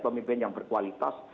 pemimpin yang berkualitas